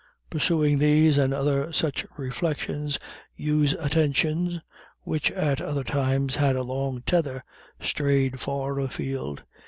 Pursuing these and other such reflections Hugh's attention, which at all times had a long tether, strayed far afield.